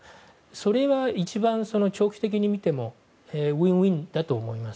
それは一番、長期的に見てもウィンウィンだと思います。